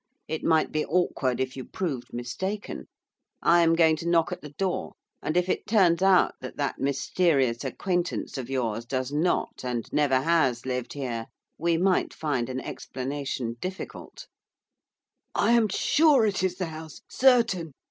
It might be awkward if you proved mistaken. I am going to knock at the door, and if it turns out that that mysterious acquaintance of yours does not, and never has lived here, we might find an explanation difficult.' 'I am sure it is the house, certain!